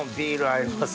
合います。